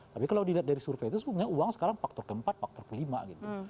tapi kalau dilihat dari survei itu sebenarnya uang sekarang faktor keempat faktor kelima gitu